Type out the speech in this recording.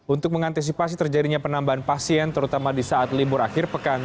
untuk mengantisipasi terjadinya penambahan pasien terutama di saat libur akhir pekan